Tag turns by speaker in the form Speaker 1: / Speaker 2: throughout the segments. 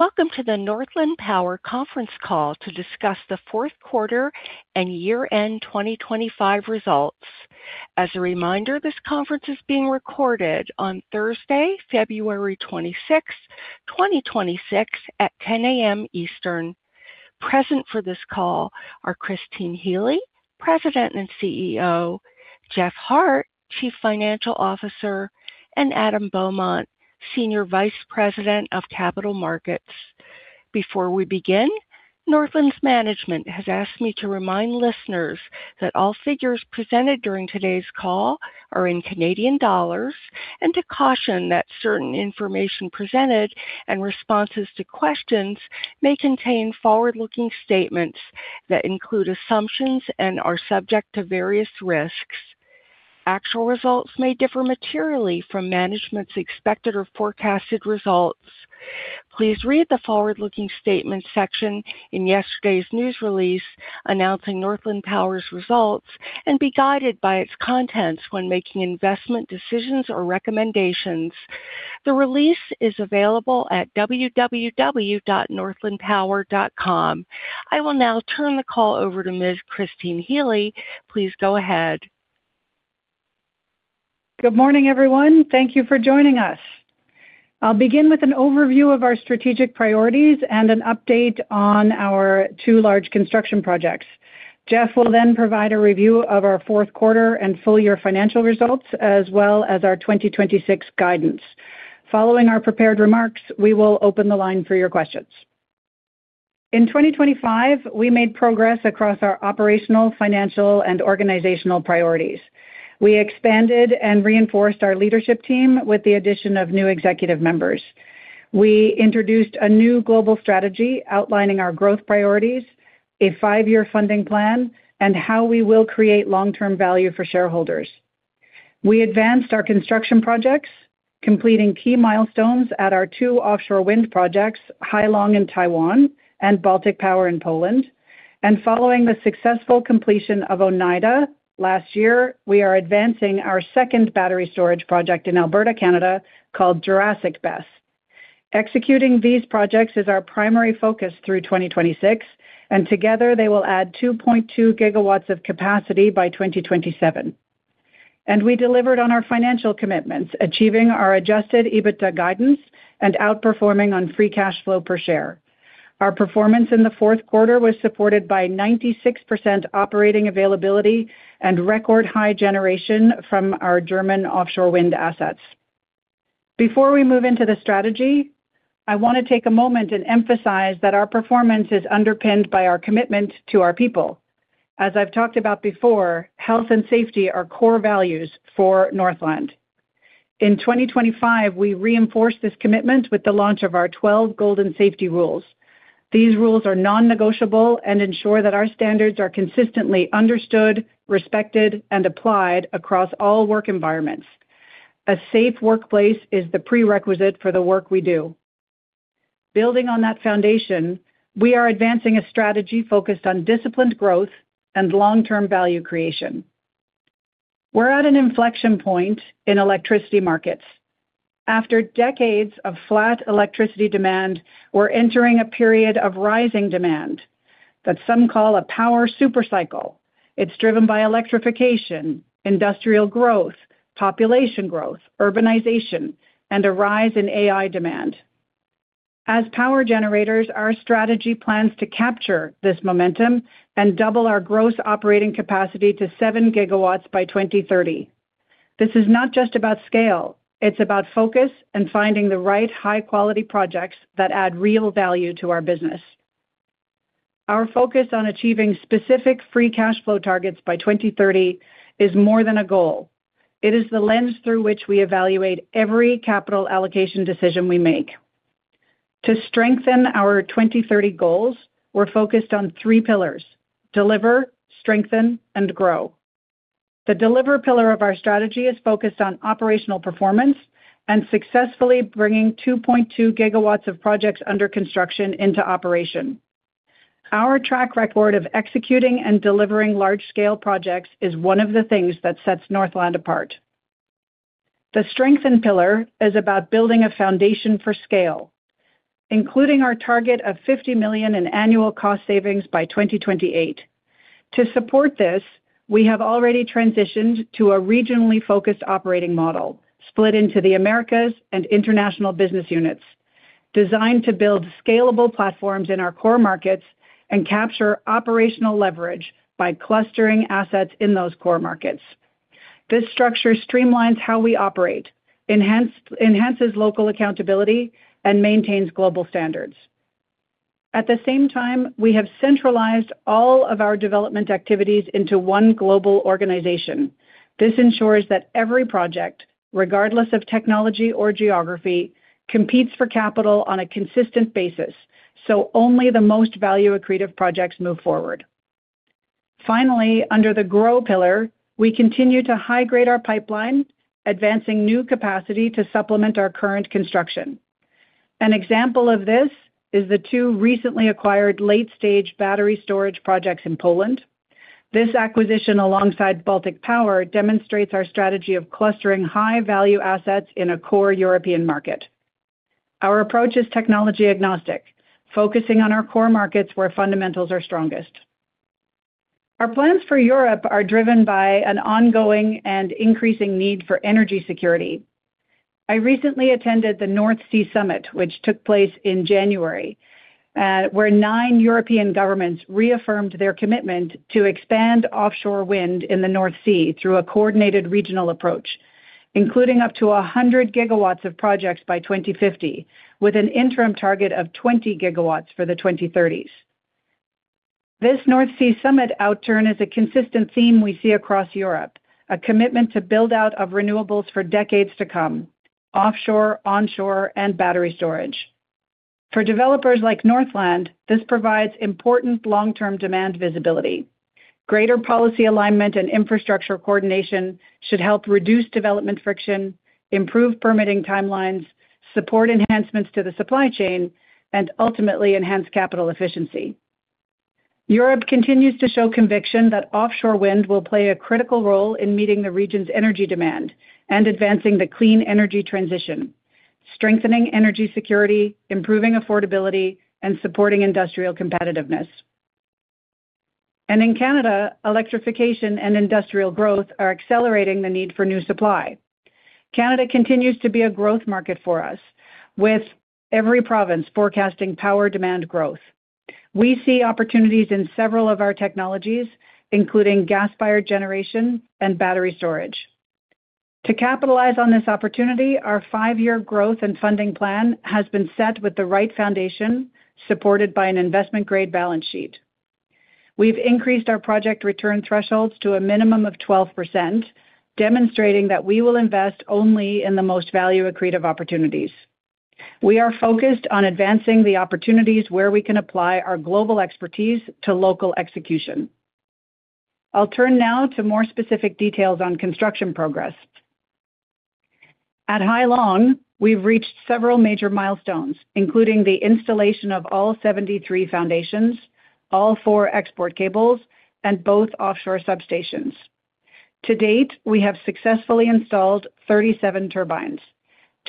Speaker 1: Welcome to the Northland Power Conference Call to discuss the fourth quarter and year-end 2025 results. As a reminder, this conference is being recorded on Thursday, February 26th, 2026, at 10:00 A.M. Eastern. Present for this call are Christine Healy, President and CEO, Jeff Hart, Chief Financial Officer, and Adam Beaumont, Senior Vice President of Capital Markets. Before we begin, Northland's management has asked me to remind listeners that all figures presented during today's call are in Canadian dollars, and to caution that certain information presented and responses to questions may contain forward-looking statements that include assumptions and are subject to various risks. Actual results may differ materially from management's expected or forecasted results. Please read the forward-looking statement section in yesterday's news release announcing Northland Power's results, and be guided by its contents when making investment decisions or recommendations. The release is available at www.northlandpower.com. I will now turn the call over to Ms. Christine Healy. Please go ahead.
Speaker 2: Good morning, everyone. Thank you for joining us. I'll begin with an overview of our strategic priorities and an update on our two large construction projects. Jeff will then provide a review of our fourth quarter and full year financial results, as well as our 2026 guidance. Following our prepared remarks, we will open the line for your questions. In 2025, we made progress across our operational, financial, and organizational priorities. We expanded and reinforced our leadership team with the addition of new executive members. We introduced a new global strategy outlining our growth priorities, a five-year funding plan, and how we will create long-term value for shareholders. We advanced our construction projects, completing key milestones at our two offshore wind projects, Hai Long in Taiwan and Baltic Power in Poland. Following the successful completion of Oneida last year, we are advancing our second battery storage project in Alberta, Canada, called Jurassic BESS. Executing these projects is our primary focus through 2026, and together they will add 2.2 GW of capacity by 2027. We delivered on our financial commitments, achieving our Adjusted EBITDA guidance and outperforming on Free Cash Flow per share. Our performance in the fourth quarter was supported by 96% operating availability and record high generation from our German offshore wind assets. Before we move into the strategy, I want to take a moment and emphasize that our performance is underpinned by our commitment to our people. As I've talked about before, health and safety are core values for Northland. In 2025, we reinforced this commitment with the launch of our twelve Golden Safety Rules. These rules are non-negotiable and ensure that our standards are consistently understood, respected, and applied across all work environments. A safe workplace is the prerequisite for the work we do. Building on that foundation, we are advancing a strategy focused on disciplined growth and long-term value creation. We're at an inflection point in electricity markets. After decades of flat electricity demand, we're entering a period of rising demand that some call a power super cycle. It's driven by electrification, industrial growth, population growth, urbanization, and a rise in AI demand. As power generators, our strategy plans to capture this momentum and double our gross operating capacity to 7 gigawatts by 2030. This is not just about scale, it's about focus and finding the right high-quality projects that add real value to our business. Our focus on achieving specific Free Cash Flow targets by 2030 is more than a goal. It is the lens through which we evaluate every capital allocation decision we make. To strengthen our 2030 goals, we're focused on three pillars: deliver, strengthen, and grow. The deliver pillar of our strategy is focused on operational performance and successfully bringing 2.2 GW of projects under construction into operation. Our track record of executing and delivering large-scale projects is one of the things that sets Northland apart. The strengthen pillar is about building a foundation for scale, including our target of 50 million in annual cost savings by 2028. To support this, we have already transitioned to a regionally focused operating model, split into the Americas and International Business Units, designed to build scalable platforms in our core markets and capture operational leverage by clustering assets in those core markets. This structure streamlines how we operate, enhances local accountability, and maintains global standards. At the same time, we have centralized all of our development activities into one global organization. This ensures that every project, regardless of technology or geography, competes for capital on a consistent basis, so only the most value accretive projects move forward. Finally, under the grow pillar, we continue to high-grade our pipeline, advancing new capacity to supplement our current construction. An example of this is the two recently acquired late-stage battery storage projects in Poland. This acquisition, alongside Baltic Power, demonstrates our strategy of clustering high-value assets in a core European market. Our approach is technology-agnostic, focusing on our core markets where fundamentals are strongest. Our plans for Europe are driven by an ongoing and increasing need for energy security. I recently attended the North Sea Summit, which took place in January, where 9 European governments reaffirmed their commitment to expand offshore wind in the North Sea through a coordinated regional approach, including up to 100 gigawatts of projects by 2050, with an interim target of 20 gigawatts for the 2030s. This North Sea Summit outturn is a consistent theme we see across Europe, a commitment to build out of renewables for decades to come, offshore, onshore, and battery storage. For developers like Northland, this provides important long-term demand visibility. Greater policy alignment and infrastructure coordination should help reduce development friction, improve permitting timelines, support enhancements to the supply chain, and ultimately enhance capital efficiency. Europe continues to show conviction that offshore wind will play a critical role in meeting the region's energy demand and advancing the clean energy transition, strengthening energy security, improving affordability, and supporting industrial competitiveness. In Canada, electrification and industrial growth are accelerating the need for new supply. Canada continues to be a growth market for us, with every province forecasting power demand growth. We see opportunities in several of our technologies, including gas-fired generation and battery storage. To capitalize on this opportunity, our five-year growth and funding plan has been set with the right foundation, supported by an investment-grade balance sheet. We've increased our project return thresholds to a minimum of 12%, demonstrating that we will invest only in the most value accretive opportunities. We are focused on advancing the opportunities where we can apply our global expertise to local execution. I'll turn now to more specific details on construction progress. At Hai Long, we've reached several major milestones, including the installation of all 73 foundations, all four export cables, and both offshore substations. To date, we have successfully installed 37 turbines.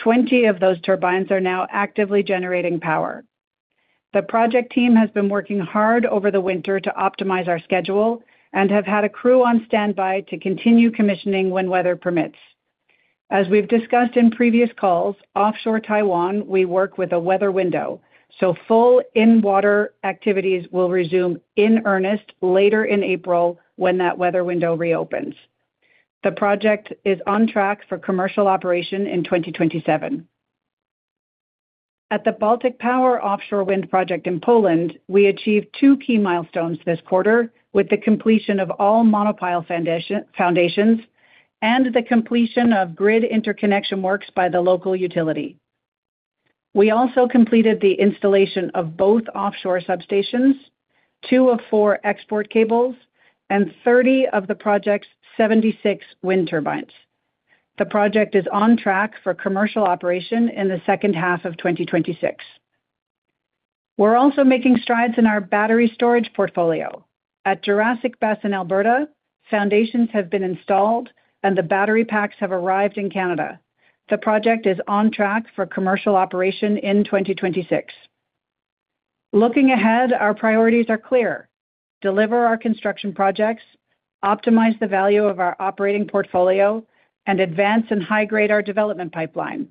Speaker 2: 20 of those turbines are now actively generating power. The project team has been working hard over the winter to optimize our schedule and have had a crew on standby to continue commissioning when weather permits. As we've discussed in previous calls, offshore Taiwan, we work with a weather window, so full in-water activities will resume in earnest later in April when that weather window reopens. The project is on track for commercial operation in 2027. At the Baltic Power Offshore Wind Project in Poland, we achieved 2 key milestones this quarter with the completion of all monopile foundations, and the completion of grid interconnection works by the local utility. We also completed the installation of both offshore substations, 2 of 4 export cables, and 30 of the project's 76 wind turbines. The project is on track for commercial operation in the second half of 2026. We're also making strides in our battery storage portfolio. At Jurassic BESS in Alberta, foundations have been installed, and the battery packs have arrived in Canada. The project is on track for commercial operation in 2026. Looking ahead, our priorities are clear: deliver our construction projects, optimize the value of our operating portfolio, and advance and high-grade our development pipeline.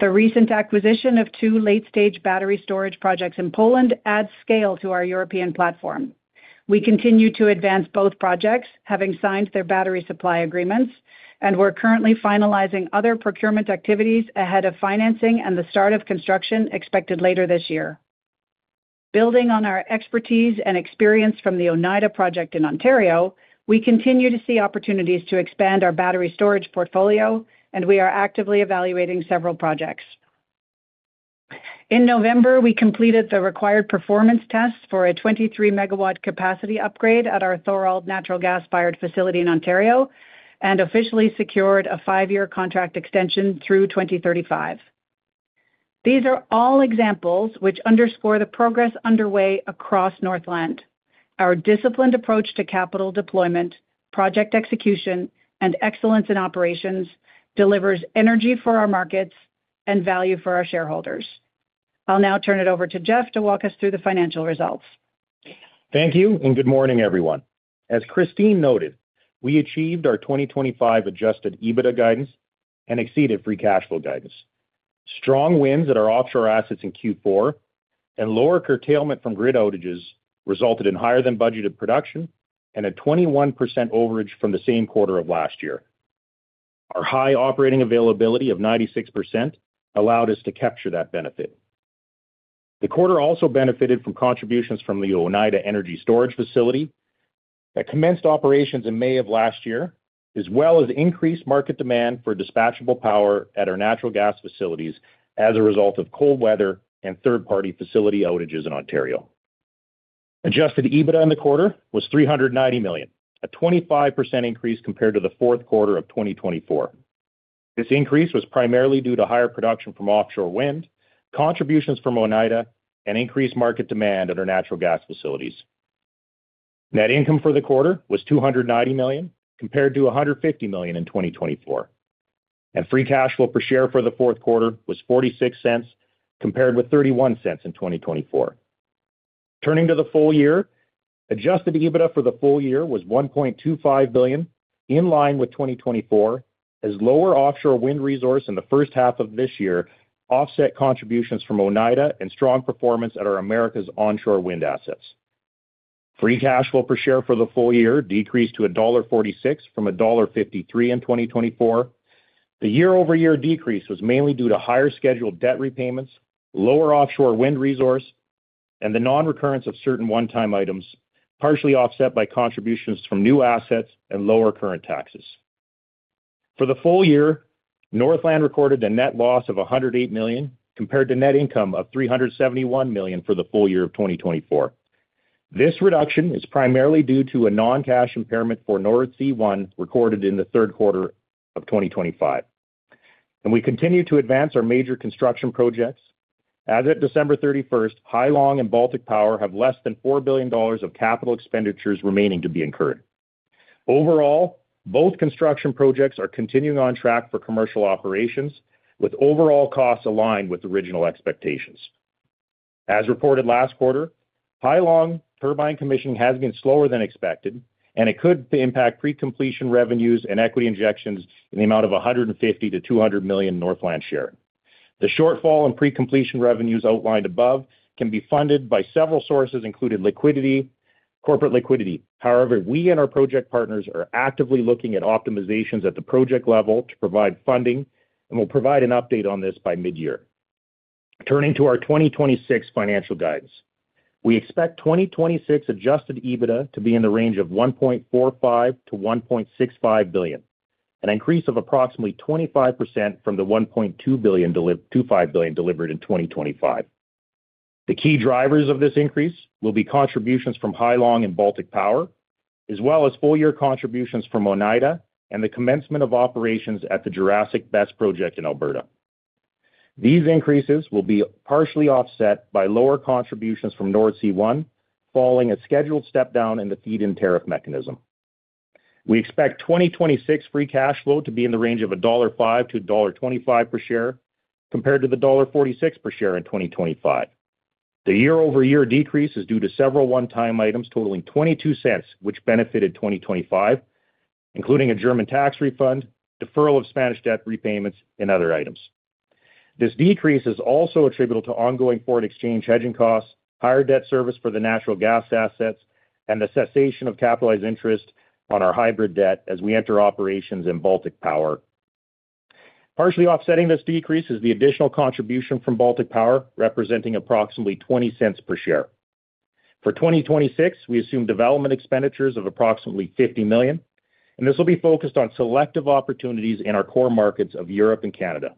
Speaker 2: The recent acquisition of 2 late-stage battery storage projects in Poland adds scale to our European platform. We continue to advance both projects, having signed their battery supply agreements. We're currently finalizing other procurement activities ahead of financing and the start of construction expected later this year. Building on our expertise and experience from the Oneida project in Ontario, we continue to see opportunities to expand our battery storage portfolio. We are actively evaluating several projects. In November, we completed the required performance test for a 23 MW capacity upgrade at our Thorold natural gas-fired facility in Ontario. Officially secured a 5-year contract extension through 2035. These are all examples which underscore the progress underway across Northland. Our disciplined approach to capital deployment, project execution, and excellence in operations delivers energy for our markets and value for our shareholders. I'll now turn it over to Jeff to walk us through the financial results.
Speaker 3: Thank you, and good morning, everyone. As Christine noted, we achieved our 2025 Adjusted EBITDA guidance and exceeded Free Cash Flow guidance. Strong winds at our offshore assets in Q4 and lower curtailment from grid outages resulted in higher than budgeted production and a 21% overage from the same quarter of last year. Our high operating availability of 96% allowed us to capture that benefit. The quarter also benefited from contributions from the Oneida Energy Storage Project that commenced operations in May of last year, as well as increased market demand for dispatchable power at our natural gas facilities as a result of cold weather and third-party facility outages in Ontario. Adjusted EBITDA in the quarter was 390 million, a 25% increase compared to the fourth quarter of 2024. This increase was primarily due to higher production from offshore wind, contributions from Oneida, and increased market demand at our natural gas facilities. Net income for the quarter was 290 million, compared to 150 million in 2024. Free Cash Flow per share for the fourth quarter was 0.46, compared with 0.31 in 2024. Turning to the full year, Adjusted EBITDA for the full year was 1.25 billion, in line with 2024, as lower offshore wind resource in the first half of this year offset contributions from Oneida and strong performance at our America's onshore wind assets. Free Cash Flow per share for the full year decreased to dollar 1.46 from dollar 1.53 in 2024. The year-over-year decrease was mainly due to higher scheduled debt repayments, lower offshore wind resource, and the non-recurrence of certain one-time items, partially offset by contributions from new assets and lower current taxes. For the full year, Northland recorded a net loss of 108 million, compared to net income of 371 million for the full year of 2024. This reduction is primarily due to a non-cash impairment for Nordsee One, recorded in the third quarter of 2025. We continue to advance our major construction projects. As at December 31st, Hai Long and Baltic Power have less than 4 billion dollars of capital expenditures remaining to be incurred. Overall, both construction projects are continuing on track for commercial operations, with overall costs aligned with original expectations. As reported last quarter, Hai Long turbine commissioning has been slower than expected, it could impact pre-completion revenues and equity injections in the amount of 150 million-200 million Northland share. The shortfall in pre-completion revenues outlined above can be funded by several sources, including liquidity, corporate liquidity. We and our project partners are actively looking at optimizations at the project level to provide funding, and we'll provide an update on this by midyear. Turning to our 2026 financial guidance. We expect 2026 Adjusted EBITDA to be in the range of 1.45 billion-1.65 billion, an increase of approximately 25% from the 1.25 billion delivered in 2025. The key drivers of this increase will be contributions from Hai Long and Baltic Power, as well as full-year contributions from Oneida and the commencement of operations at the Jurassic BESS project in Alberta. These increases will be partially offset by lower contributions from Nordsee One, following a scheduled step down in the feed-in tariff mechanism. We expect 2026 Free Cash Flow to be in the range of 1.05-1.25 dollar per share, compared to dollar 1.46 per share in 2025. The year-over-year decrease is due to several one-time items totaling 0.22, which benefited 2025, including a German tax refund, deferral of Spanish debt repayments, and other items. This decrease is also attributable to ongoing foreign exchange hedging costs, higher debt service for the natural gas assets, and the cessation of capitalized interest on our hybrid debt as we enter operations in Baltic Power. Partially offsetting this decrease is the additional contribution from Baltic Power, representing approximately $0.20 per share. For 2026, we assume development expenditures of approximately $50 million. This will be focused on selective opportunities in our core markets of Europe and Canada.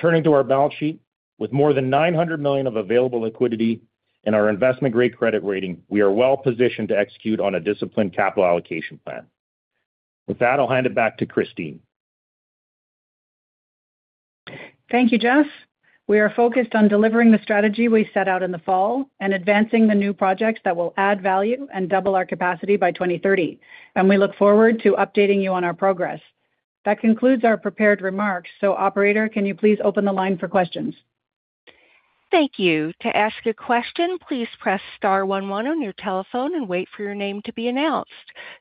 Speaker 3: Turning to our balance sheet. With more than $900 million of available liquidity and our investment-grade credit rating, we are well positioned to execute on a disciplined capital allocation plan. With that, I'll hand it back to Christine.
Speaker 2: Thank you, Jeff. We are focused on delivering the strategy we set out in the fall and advancing the new projects that will add value and double our capacity by 2030. We look forward to updating you on our progress. That concludes our prepared remarks. Operator, can you please open the line for questions?
Speaker 1: Thank you. To ask a question, please press *11 on your telephone and wait for your name to be announced.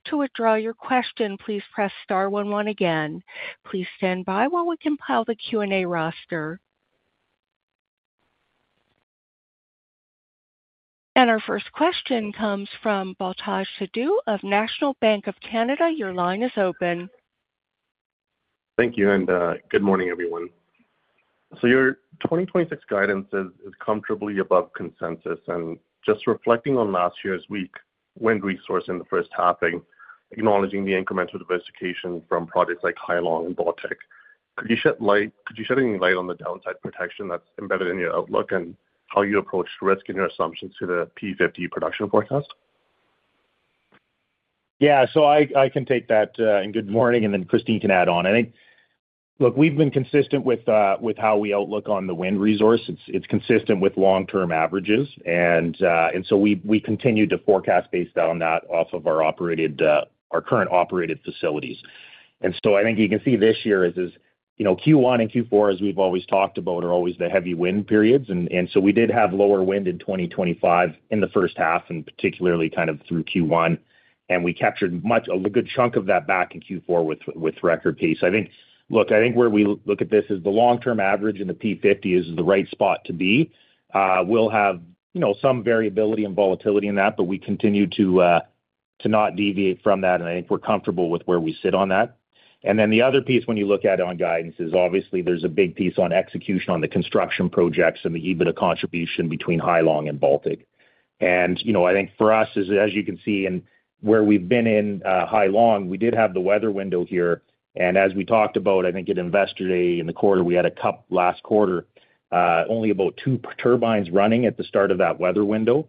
Speaker 1: To withdraw your question, please press *11 again. Please stand by while we compile the Q&A roster. Our first question comes from Baltej Sidhu of National Bank of Canada. Your line is open.
Speaker 4: Thank you, and good morning, everyone. Your 2026 guidance is comfortably above consensus. Just reflecting on last year's weak wind resource in the first half, and acknowledging the incremental diversification from projects like Hai Long and Baltic, could you shed any light on the downside protection that's embedded in your outlook and how you approached risk in your assumptions to the P50 production forecast?
Speaker 3: I can take that, good morning, then Christine can add on. Look, we've been consistent with how we outlook on the wind resource. It's consistent with long-term averages. We continue to forecast based on that, off of our operated, our current operated facilities. I think you can see this year, you know, Q1 and Q4, as we've always talked about, are always the heavy wind periods. We did have lower wind in 2025 in the first half, and particularly kind of through Q1. We captured a good chunk of that back in Q4 with record pace. Look, I think where we look at this is the long-term average, and the P50 is the right spot to be. We'll have, you know, some variability and volatility in that, but we continue to not deviate from that, and I think we're comfortable with where we sit on that. Then the other piece, when you look at it on guidance, is obviously there's a big piece on execution on the construction projects and the EBITDA contribution between Hai Long and Baltic. You know, I think for us, as you can see and where we've been in Hai Long, we did have the weather window here, and as we talked about, I think at Investor Day in the quarter, we had a cup last quarter. Only about two turbines running at the start of that weather window.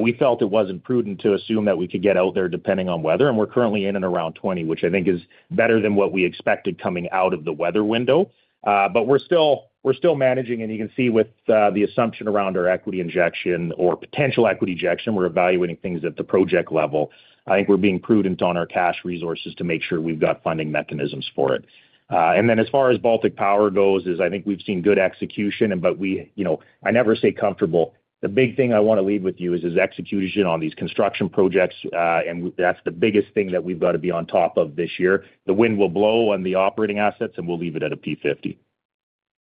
Speaker 3: We felt it wasn't prudent to assume that we could get out there depending on weather, and we're currently in and around 20, which I think is better than what we expected coming out of the weather window. We're still managing, and you can see with the assumption around our equity injection or potential equity injection, we're evaluating things at the project level. I think we're being prudent on our cash resources to make sure we've got funding mechanisms for it. As far as Baltic Power goes, is I think we've seen good execution, but we, you know, I never say comfortable. The big thing I want to leave with you is this execution on these construction projects, and that's the biggest thing that we've got to be on top of this year. The wind will blow on the operating assets, and we'll leave it at a P50.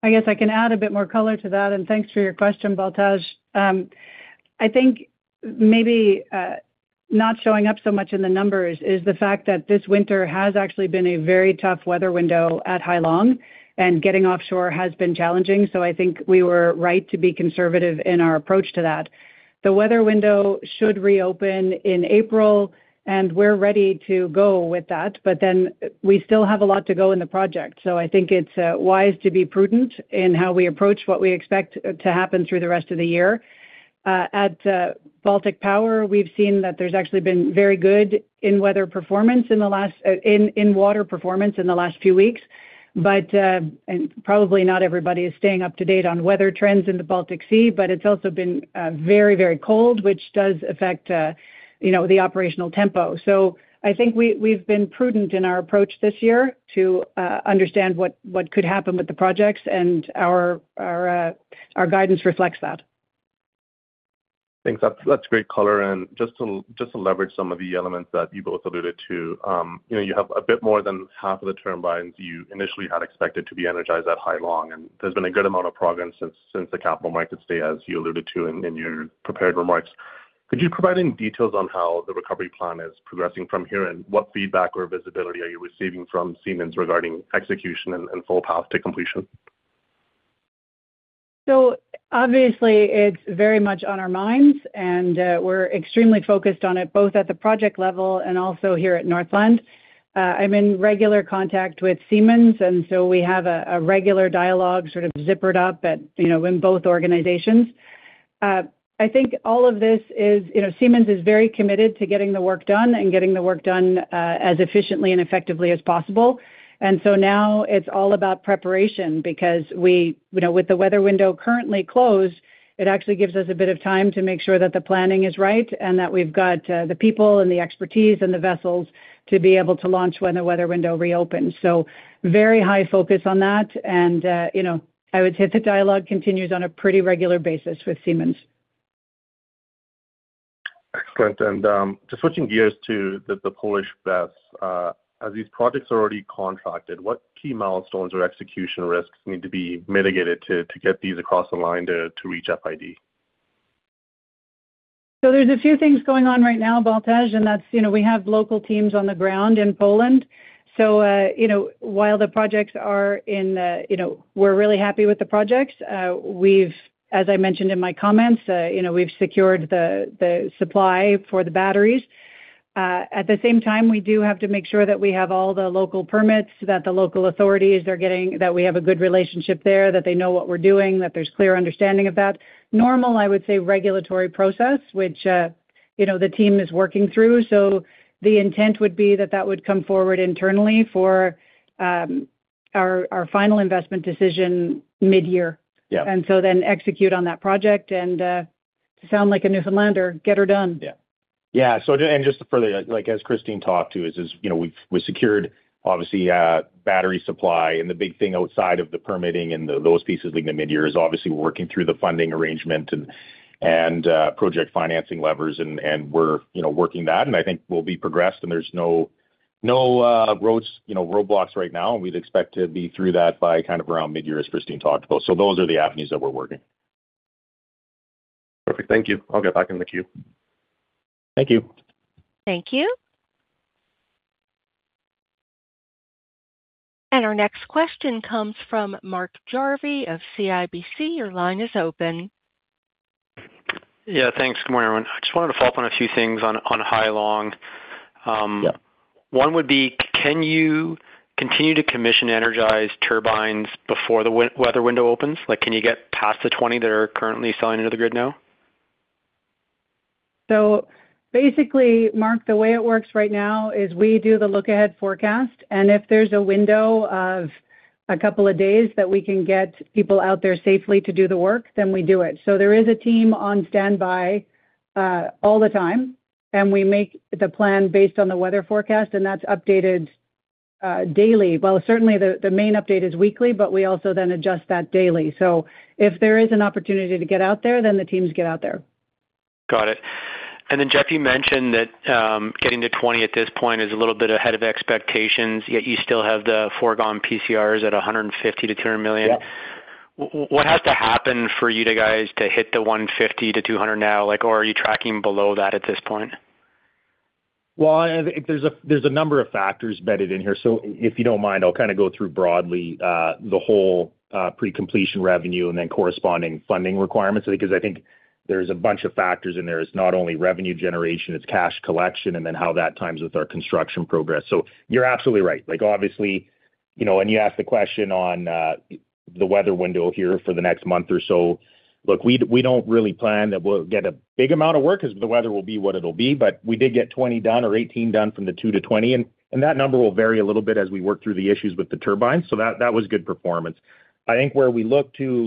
Speaker 2: I guess I can add a bit more color to that. Thanks for your question, Baltej. I think maybe, not showing up so much in the numbers is the fact that this winter has actually been a very tough weather window at Hai Long, and getting offshore has been challenging. I think we were right to be conservative in our approach to that. The weather window should reopen in April. We're ready to go with that. We still have a lot to go in the project. I think it's wise to be prudent in how we approach what we expect to happen through the rest of the year. At Baltic Power, we've seen that there's actually been very good in-weather performance in the last in-water performance in the last few weeks. Probably not everybody is staying up-to-date on weather trends in the Baltic Sea, but it's also been, very, very cold, which does affect, you know, the operational tempo. I think we've been prudent in our approach this year to, understand what could happen with the projects, and our, our guidance reflects that.
Speaker 4: Thanks. That's great color. Just to leverage some of the elements that you both alluded to, you know, you have a bit more than half of the turbines you initially had expected to be energized at Hai Long, and there's been a good amount of progress since the capital markets day, as you alluded to in your prepared remarks. Could you provide any details on how the recovery plan is progressing from here? What feedback or visibility are you receiving from Siemens regarding execution and full path to completion?
Speaker 2: Obviously, it's very much on our minds, and we're extremely focused on it, both at the project level and also here at Northland. I'm in regular contact with Siemens. We have a regular dialogue sort of zippered up at, you know, in both organizations. I think all of this is. You know, Siemens is very committed to getting the work done and getting the work done, as efficiently and effectively as possible. Now it's all about preparation because you know, with the weather window currently closed, it actually gives us a bit of time to make sure that the planning is right, and that we've got the people and the expertise and the vessels to be able to launch when the weather window reopens. Very high focus on that, and, you know, I would say the dialogue continues on a pretty regular basis with Siemens.
Speaker 4: Excellent. Just switching gears to the MFW Baltyk, as these projects are already contracted, what key milestones or execution risks need to be mitigated to get these across the line to reach FID?
Speaker 2: There's a few things going on right now, Baltej, and that's, you know, we have local teams on the ground in Poland. While the projects are in, you know, we're really happy with the projects. We've, as I mentioned in my comments, you know, we've secured the supply for the batteries. At the same time, we do have to make sure that we have all the local permits, that the local authorities are getting that we have a good relationship there, that they know what we're doing, that there's clear understanding of that. Normal, I would say, regulatory process, which, you know, the team is working through. The intent would be that that would come forward internally for our final investment decision mid-year.
Speaker 3: Yeah.
Speaker 2: Execute on that project and to sound like a Newfoundlander, get her done.
Speaker 3: Yeah. Yeah. Just to further, like, as Christine talked to, is, you know, we secured obviously battery supply. The big thing outside of the permitting and the lowest pieces in the mid-year is obviously working through the funding arrangement and project financing levers. We're, you know, working that, and I think we'll be progressed, and there's no roads, you know, roadblocks right now, and we'd expect to be through that by kind of around mid-year, as Christine talked about. Those are the avenues that we're working.
Speaker 4: Perfect. Thank you. I'll get back in the queue. Thank you.
Speaker 1: Thank you. Our next question comes from Mark Jarvi of CIBC. Your line is open.
Speaker 5: Yeah, thanks. Good morning, everyone. I just wanted to follow up on a few things on Hai Long.
Speaker 3: Yeah.
Speaker 5: One would be: Can you continue to commission energized turbines before the weather window opens? Can you get past the 20 that are currently selling into the grid now?
Speaker 2: Basically, Mark, the way it works right now is we do the look-ahead forecast, and if there's a window of a couple of days that we can get people out there safely to do the work, then we do it. There is a team on standby all the time, and we make the plan based on the weather forecast, and that's updated daily. Certainly the main update is weekly, but we also then adjust that daily. If there is an opportunity to get out there, then the teams get out there.
Speaker 5: Got it. Jeff, you mentioned that getting to 20 at this point is a little bit ahead of expectations, yet you still have the foregone PCRs at 150 million-200 million.
Speaker 3: Yeah.
Speaker 5: What has to happen for you to guys hit 150-200 now? Like, or are you tracking below that at this point?
Speaker 3: I think there's a number of factors embedded in here. If you don't mind, I'll kind of go through broadly the whole pre-completion revenue and then corresponding funding requirements, because I think there's a bunch of factors in there. It's not only revenue generation, it's cash collection, and then how that times with our construction progress. You're absolutely right. Like, obviously, you know, and you asked the question on the weather window here for the next month or so. Look, we don't really plan that we'll get a big amount of work as the weather will be what it'll be, but we did get 20 done or 18 done from the 2 to 20, and that number will vary a little bit as we work through the issues with the turbines. That was good performance. I think where we look to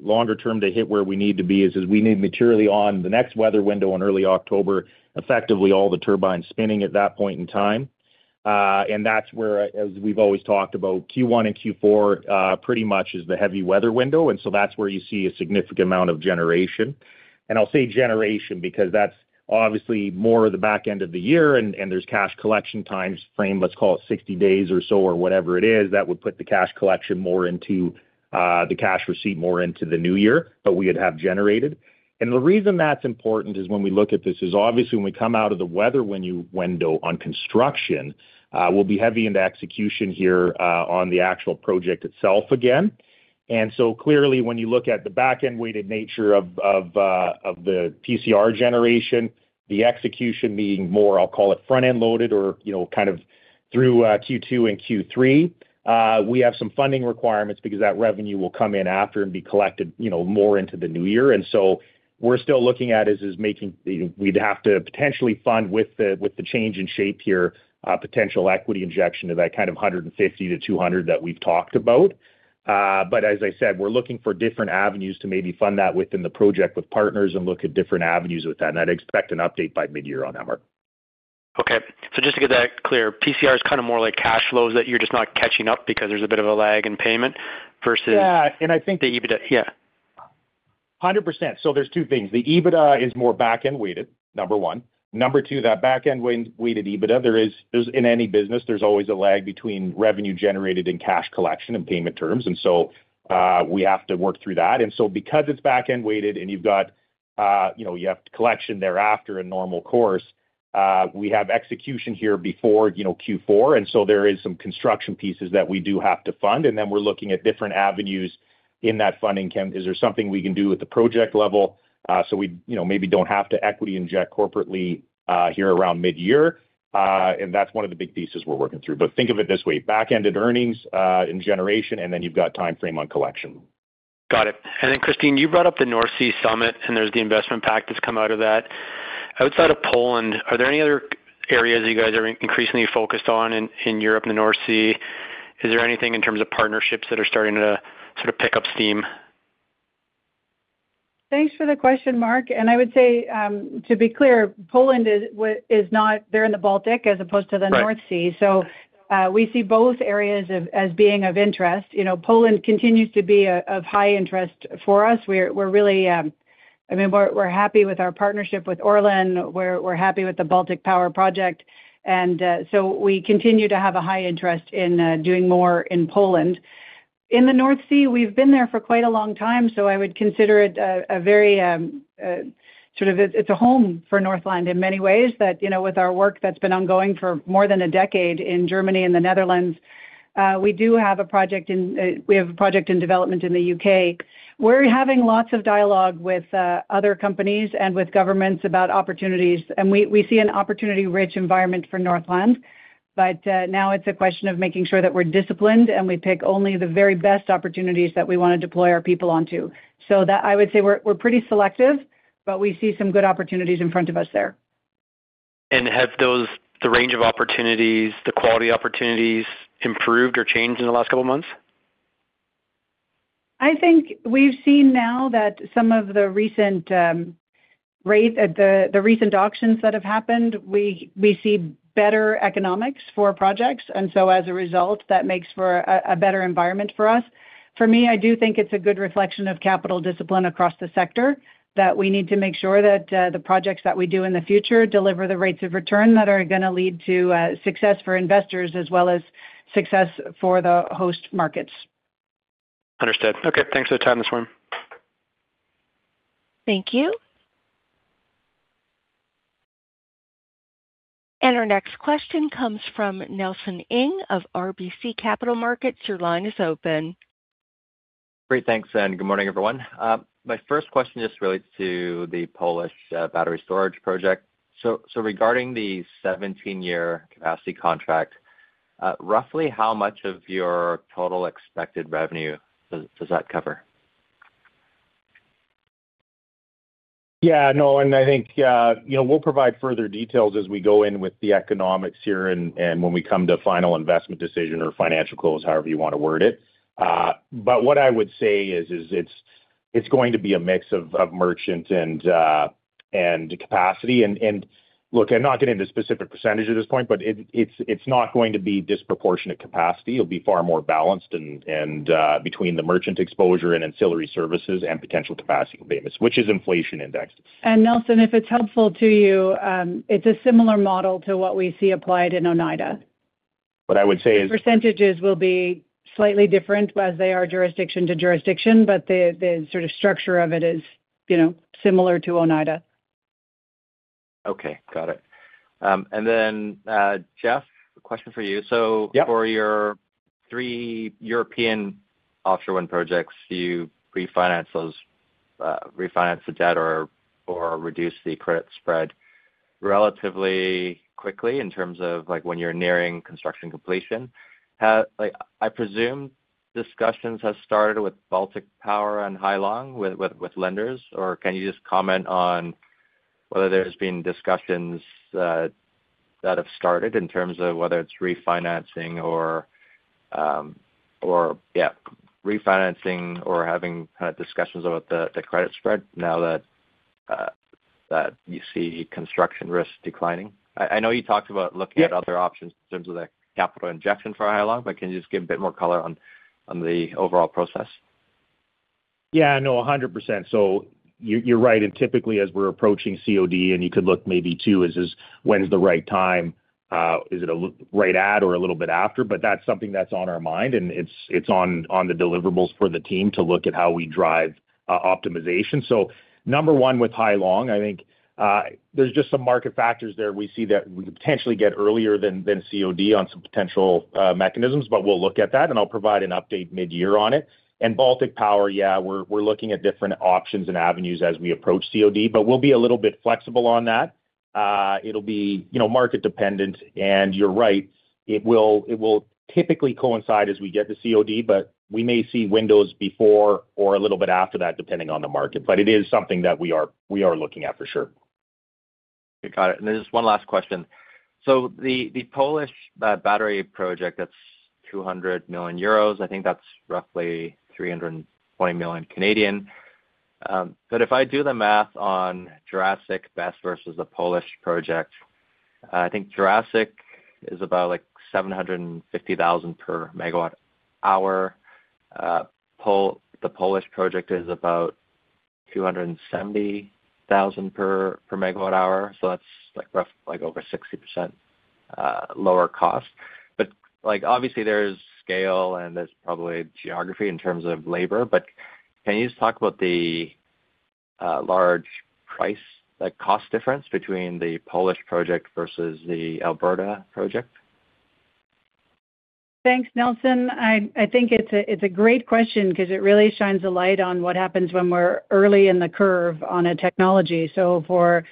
Speaker 3: longer term to hit where we need to be is, we need materially on the next weather window in early October, effectively, all the turbines spinning at that point in time. That's where, as we've always talked about, Q1 and Q4, pretty much is the heavy weather window, and so that's where you see a significant amount of generation. I'll say generation, because that's obviously more of the back end of the year, and there's cash collection time frame, let's call it 60 days or so, or whatever it is, that would put the cash collection more into the cash receipt, more into the new year, but we would have generated. The reason that's important is when we look at this, is obviously when we come out of the weather window on construction, we'll be heavy into execution here on the actual project itself again. Clearly, when you look at the back-end-weighted nature of the PCR generation, the execution being more, I'll call it, front-end loaded or, you know, kind of through Q2 and Q3, we have some funding requirements because that revenue will come in after and be collected, you know, more into the new year. We're still looking at is making, we'd have to potentially fund with the change in shape here, potential equity injection of that kind of 150 million-200 million that we've talked about. As I said, we're looking for different avenues to maybe fund that within the project with partners and look at different avenues with that, and I'd expect an update by midyear on that, Mark.
Speaker 5: Okay. Just to get that clear, PCR is kind of more like cash flows, that you're just not catching up because there's a bit of a lag in payment versus-
Speaker 3: Yeah.
Speaker 5: The EBITDA. Yeah.
Speaker 3: 100%. There's two things. The EBITDA is more back-end weighted, number one. Number two, that back-end weighted EBITDA. In any business, there's always a lag between revenue generated and cash collection and payment terms, we have to work through that. Because it's back-end weighted, and you've got, you know, you have collection thereafter in normal course, we have execution here before, you know, Q4, there is some construction pieces that we do have to fund, and then we're looking at different avenues in that funding. Is there something we can do at the project level, so we, you know, maybe don't have to equity inject corporately, here around mid-year? That's one of the big pieces we're working through. Think of it this way, back-ended earnings, in generation, and then you've got time frame on collection.
Speaker 5: Got it. Then, Christine, you brought up the North Sea Summit, and there's the investment pact that's come out of that. Outside of Poland, are there any other areas that you guys are increasingly focused on in Europe and the North Sea? Is there anything in terms of partnerships that are starting to sort of pick up steam?
Speaker 2: Thanks for the question, Mark. I would say, to be clear, Poland is not, they're in the Baltic as opposed to the North Sea.
Speaker 5: Right.
Speaker 2: We see both areas as being of interest. You know, Poland continues to be of high interest for us. We're really, I mean, we're happy with our partnership with ORLEN. We're happy with the Baltic Power project. We continue to have a high interest in doing more in Poland. In the North Sea, we've been there for quite a long time. I would consider it a very sort of it's a home for Northland in many ways. You know, with our work that's been ongoing for more than a decade in Germany and the Netherlands, we do have a project in development in the U.K. We're having lots of dialogue with other companies and with governments about opportunities, and we see an opportunity-rich environment for Northland. Now it's a question of making sure that we're disciplined, and we pick only the very best opportunities that we want to deploy our people onto. That I would say we're pretty selective, but we see some good opportunities in front of us there.
Speaker 5: Have those, the range of opportunities, the quality opportunities, improved or changed in the last couple of months?
Speaker 2: I think we've seen now that some of the recent, the recent auctions that have happened, we see better economics for projects. As a result, that makes for a better environment for us. For me, I do think it's a good reflection of capital discipline across the sector, that we need to make sure that the projects that we do in the future deliver the rates of return that are going to lead to success for investors as well as success for the host markets.
Speaker 5: Understood. Okay, thanks for the time, this one.
Speaker 1: Thank you. Our next question comes from Nelson Ng of RBC Capital Markets. Your line is open.
Speaker 6: Great, thanks. Good morning, everyone. My first question just relates to the Polish battery storage project. Regarding the 17-year capacity contract, roughly how much of your total expected revenue does that cover?
Speaker 3: No, I think, you know, we'll provide further details as we go in with the economics here and when we come to final investment decision or financial close, however you want to word it. What I would say is it's going to be a mix of merchant and capacity. Look, I'm not getting into specific percentage at this point, but it's not going to be disproportionate capacity. It'll be far more balanced and between the merchant exposure and ancillary services and potential capacity payments, which is inflation-indexed.
Speaker 2: Nelson, if it's helpful to you, it's a similar model to what we see applied in Oneida.
Speaker 3: What I would say is.
Speaker 2: The percentages will be slightly different as they are jurisdiction to jurisdiction, but the sort of structure of it is, you know, similar to Oneida.
Speaker 6: Okay, got it. Jeff, a question for you.
Speaker 3: Yep.
Speaker 6: For your three European offshore wind projects, do you pre-finance those, refinance the debt or reduce the credit spread relatively quickly in terms of, like, when you're nearing construction completion? Like, I presume discussions have started with Baltic Power and Hai Long with lenders, or can you just comment on whether there's been discussions that have started in terms of whether it's refinancing or refinancing or having kind of discussions about the credit spread now that you see construction risk declining? I know you talked about looking at.
Speaker 3: Yep
Speaker 6: other options in terms of the capital injection for Hai Long, but can you just give a bit more color on the overall process?
Speaker 3: Yeah, no, 100%. You're right, and typically, as we're approaching COD, and you could look maybe too, is just when is the right time? Is it right at or a little bit after? That's something that's on our mind, and it's on the deliverables for the team to look at how we drive optimization. Number one, with Hai Long, I think there's just some market factors there. We see that we could potentially get earlier than COD on some potential mechanisms, but we'll look at that, and I'll provide an update midyear on it. Baltic Power, yeah, we're looking at different options and avenues as we approach COD, but we'll be a little bit flexible on that. It'll be, you know, market dependent, and you're right, it will typically coincide as we get to COD, but we may see windows before or a little bit after that, depending on the market. It is something that we are, we are looking at for sure.
Speaker 6: Okay, got it. There's one last question. The Polish battery project, that's 200 million euros. I think that's roughly 320 million. If I do the math on Jurassic BESS versus the Polish project, I think Jurassic is about, like, 750,000 per MWh. The Polish project is about 270,000 per MWh, so that's, like, over 60% lower cost. Like, obviously, there's scale, and there's probably geography in terms of labor, but can you just talk about the large price, like, cost difference between the Polish project versus the Alberta project?
Speaker 2: Thanks, Nelson. I think it's a great question because it really shines a light on what happens when we're early in the curve on a technology. For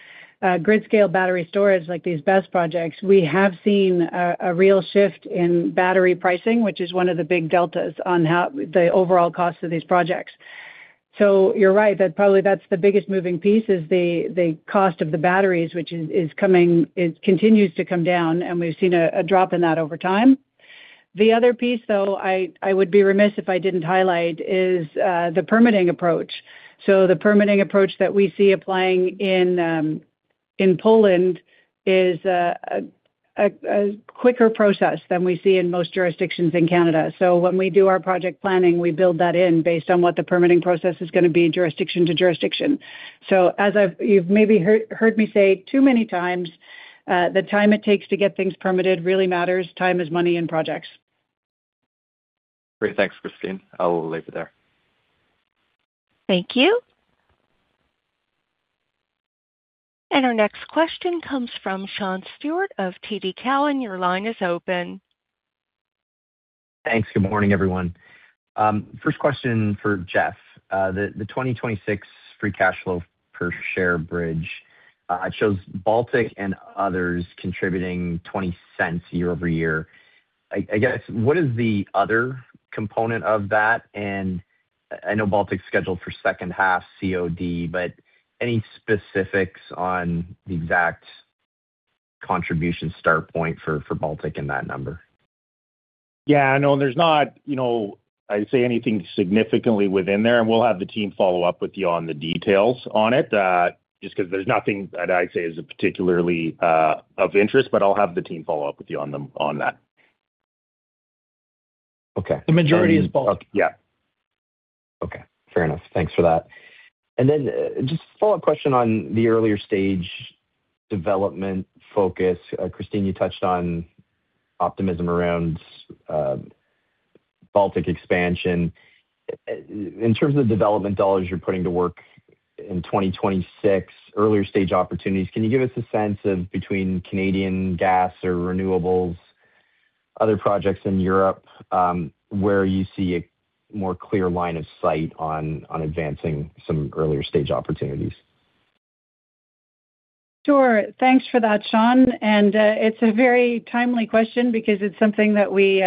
Speaker 2: grid-scale battery storage, like these BESS projects, we have seen a real shift in battery pricing, which is one of the big deltas on how the overall cost of these projects. You're right, that's probably the biggest moving piece, is the cost of the batteries, which is coming, it continues to come down, and we've seen a drop in that over time. The other piece, though, I would be remiss if I didn't highlight, is the permitting approach. The permitting approach that we see applying in Poland is a quicker process than we see in most jurisdictions in Canada. When we do our project planning, we build that in based on what the permitting process is gonna be, jurisdiction to jurisdiction. As you've maybe heard me say too many times, the time it takes to get things permitted really matters. Time is money in projects.
Speaker 6: Great. Thanks, Christine. I'll leave it there.
Speaker 1: Thank you. Our next question comes from Sean Steuart of TD Cowen. Your line is open.
Speaker 7: Thanks. Good morning, everyone. First question for Jeff. The 2026 Free Cash Flow per share bridge shows Baltic and others contributing $0.20 year-over-year. What is the other component of that? I know Baltic's scheduled for second half COD, but any specifics on the exact contribution start point for Baltic in that number?
Speaker 3: Yeah, no, there's not, you know, I'd say anything significantly within there, and we'll have the team follow up with you on the details on it. Just 'cause there's nothing that I'd say is a particularly of interest, but I'll have the team follow up with you on them, on that.
Speaker 7: Okay.
Speaker 2: The majority is Baltic.
Speaker 3: Yeah.
Speaker 7: Okay, fair enough. Thanks for that. Just a follow-up question on the earlier stage development focus. Christine, you touched on optimism around Baltic expansion. In terms of development dollars you're putting to work in 2026, earlier stage opportunities, can you give us a sense of between Canadian gas or renewables, other projects in Europe, where you see a more clear line of sight on advancing some earlier stage opportunities?
Speaker 2: Sure. Thanks for that, Sean. It's a very timely question because it's something that we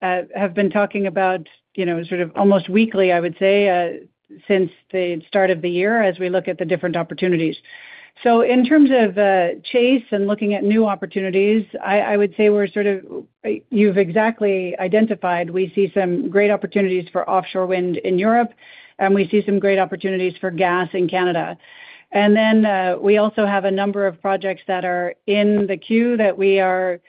Speaker 2: have been talking about, you know, sort of almost weekly, I would say, since the start of the year, as we look at the different opportunities. In terms of chase and looking at new opportunities, I would say we're sort of... You've exactly identified. We see some great opportunities for offshore wind in Europe, and we see some great opportunities for gas in Canada. Then, we also have a number of projects that are in the queue that we are,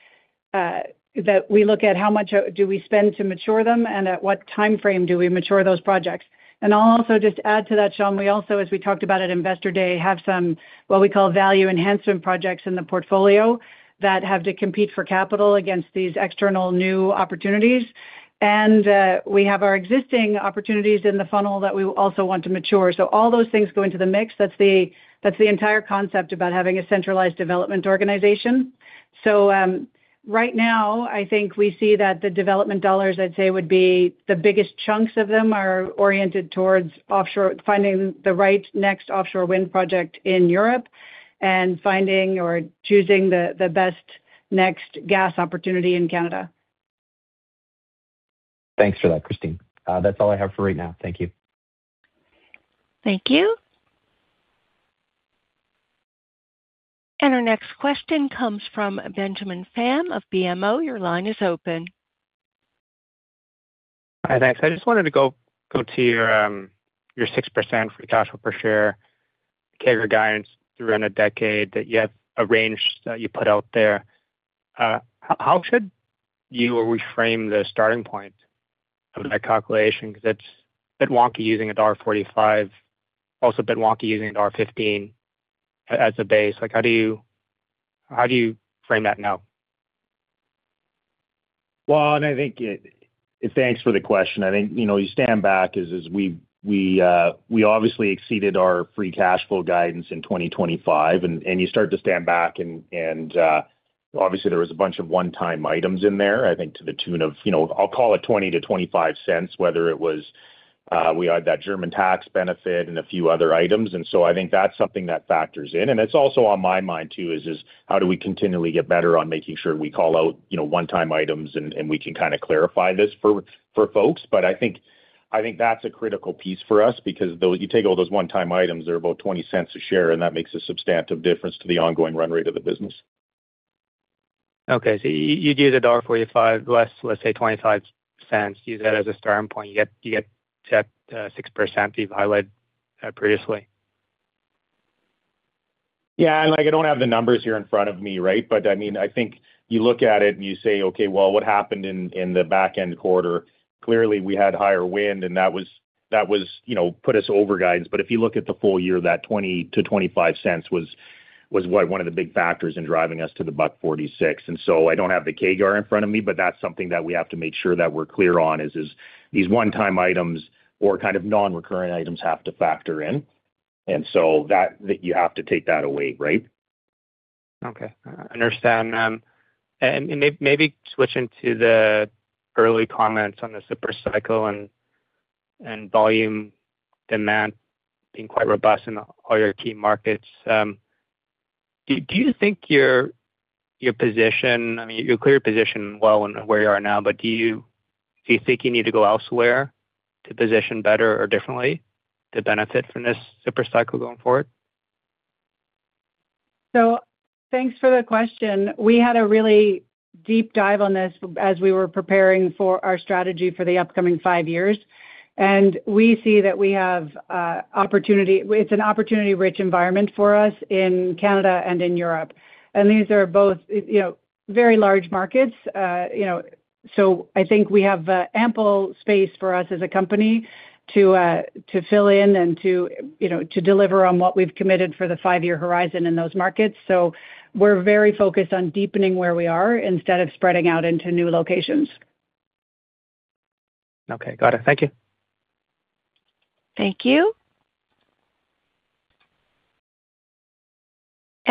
Speaker 2: that we look at how much do we spend to mature them, and at what timeframe do we mature those projects? I'll also just add to that, Sean, we also, as we talked about at Investor Day, have some, what we call value enhancement projects in the portfolio, that have to compete for capital against these external new opportunities. We have our existing opportunities in the funnel that we also want to mature. All those things go into the mix. That's the entire concept about having a centralized development organization. Right now, I think we see that the development dollars, I'd say, would be the biggest chunks of them are oriented towards offshore, finding the right next offshore wind project in Europe and finding or choosing the best next gas opportunity in Canada.
Speaker 7: Thanks for that, Christine. That's all I have for right now. Thank you.
Speaker 1: Thank you. Our next question comes from Benjamin Pham of BMO. Your line is open.
Speaker 8: Hi, thanks. I just wanted to go to your 6% Free Cash Flow per share, CAGR guidance through in a decade, that you have a range that you put out there. How should you reframe the starting point of that calculation? 'Cause it's a bit wonky using 1.45, also a bit wonky using 1.15 as a base. Like, how do you frame that now?
Speaker 3: Well, I think Thanks for the question. I think, you know, you stand back as we obviously exceeded our free cash flow guidance in 2025, and you start to stand back and, obviously, there was a bunch of one-time items in there, I think to the tune of, you know, I'll call it 0.20-0.25, whether it was, we had that German tax benefit and a few other items. I think that's something that factors in, and it's also on my mind, too, is how do we continually get better on making sure we call out, you know, one-time items, and we can kinda clarify this for folks. I think that's a critical piece for us because though you take all those one-time items, they're about 0.20 a share, and that makes a substantive difference to the ongoing run rate of the business.
Speaker 8: Okay, you'd use $1.45 less, let's say $0.25. Use that as a starting point, you get to 6% you've highlighted previously.
Speaker 3: Yeah, like, I don't have the numbers here in front of me, right? I mean, I think you look at it, and you say: Okay, well, what happened in the back-end quarter? Clearly, we had higher wind, that was, you know, put us over guidance. If you look at the full year, that 0.20-0.25 was one of the big factors in driving us to the 1.46. I don't have the CAGR in front of me, but that's something that we have to make sure that we're clear on, is these one-time items or kind of non-recurring items have to factor in. That you have to take that away, right?
Speaker 8: Okay, understand. Maybe switching to the early comments on the super cycle and volume demand being quite robust in all your key markets, do you think your position, I mean, you clear your position well on where you are now, but do you think you need to go elsewhere to position better or differently to benefit from this super cycle going forward?
Speaker 2: Thanks for the question. We had a really deep dive on this as we were preparing for our strategy for the upcoming 5 years. We see that we have opportunity. It's an opportunity-rich environment for us in Canada and in Europe. These are both, you know, very large markets. You know, I think we have ample space for us as a company to fill in and to, you know, to deliver on what we've committed for the 5-year horizon in those markets. We're very focused on deepening where we are instead of spreading out into new locations.
Speaker 8: Okay, got it. Thank you.
Speaker 1: Thank you.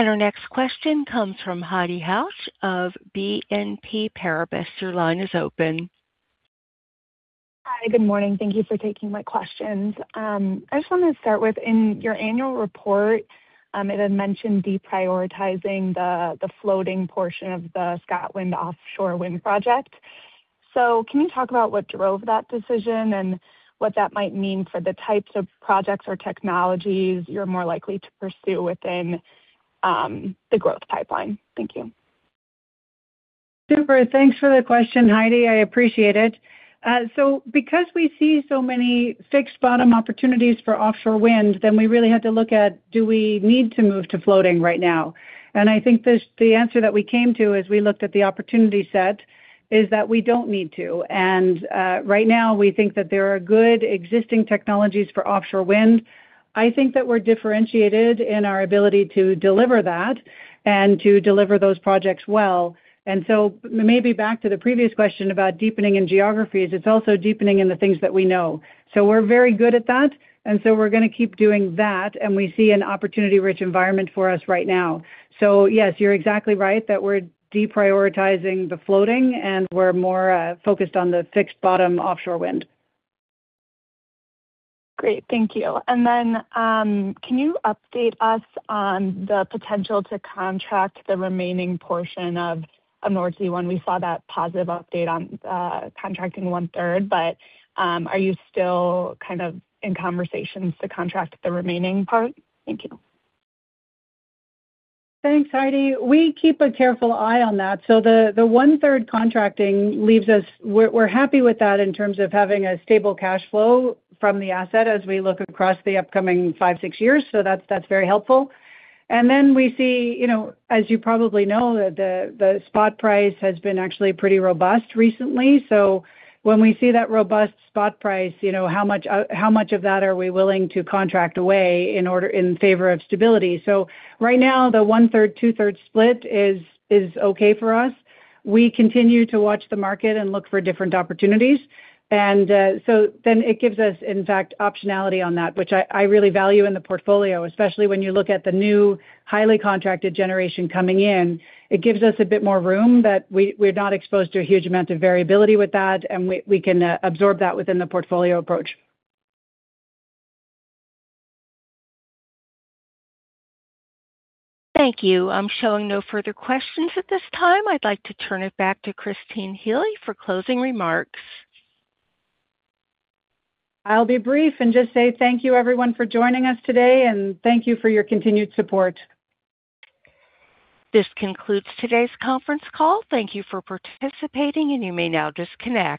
Speaker 1: Our next question comes from Heidi Heuch of BNP Paribas. Your line is open.
Speaker 9: Hi, good morning. Thank you for taking my questions. I just wanted to start with, in your annual report, it had mentioned deprioritizing the floating portion of the Scotland offshore wind project. Can you talk about what drove that decision and what that might mean for the types of projects or technologies you're more likely to pursue within the growth pipeline? Thank you.
Speaker 2: Super. Thanks for the question, Heidi. I appreciate it. Because we see so many fixed bottom opportunities for offshore wind, then we really had to look at: Do we need to move to floating right now? I think the answer that we came to, as we looked at the opportunity set, is that we don't need to. Right now, we think that there are good existing technologies for offshore wind. I think that we're differentiated in our ability to deliver that and to deliver those projects well. Maybe back to the previous question about deepening in geographies, it's also deepening in the things that we know. We're very good at that, and so we're gonna keep doing that, and we see an opportunity-rich environment for us right now. Yes, you're exactly right that we're deprioritizing the floating, and we're more focused on the fixed bottom offshore wind.
Speaker 9: Great. Thank you. Can you update us on the potential to contract the remaining portion of Nordsee One when we saw that positive update on contracting one third? Are you still kind of in conversations to contract the remaining part? Thank you.
Speaker 2: Thanks, Heidi. We keep a careful eye on that. The one-third contracting leaves us... We're happy with that in terms of having a stable cash flow from the asset as we look across the upcoming five, six years. That's very helpful. We see, you know, as you probably know, the spot price has been actually pretty robust recently. When we see that robust spot price, you know, how much, how much of that are we willing to contract away in favor of stability? Right now, the one-third, two-third split is okay for us. We continue to watch the market and look for different opportunities. It gives us, in fact, optionality on that, which I really value in the portfolio, especially when you look at the new, highly contracted generation coming in. It gives us a bit more room, that we're not exposed to a huge amount of variability with that, and we can absorb that within the portfolio approach.
Speaker 1: Thank you. I'm showing no further questions at this time. I'd like to turn it back to Christine Healy for closing remarks.
Speaker 2: I'll be brief and just say thank you everyone for joining us today, and thank you for your continued support.
Speaker 1: This concludes today's conference call. Thank you for participating, and you may now disconnect.